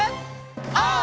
オー！